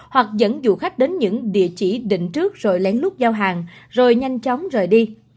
hoặc dẫn du khách đến những địa chỉ định trước rồi lén lút giao hàng rồi nhanh chóng rời đi